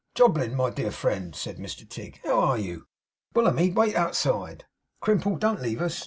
'Jobling, my dear friend!' said Mr Tigg, 'how are you? Bullamy, wait outside. Crimple, don't leave us.